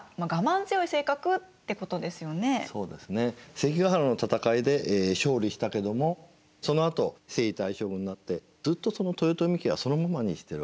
関ヶ原の戦いで勝利したけどもそのあと征夷大将軍になってずっとその豊臣家はそのままにしているわけですね。